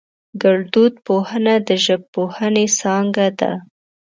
گړدود پوهنه د ژبپوهنې څانگه ده